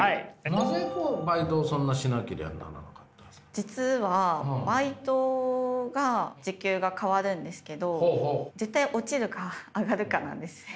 実はバイトが時給が変わるんですけど絶対落ちるか上がるかなんです。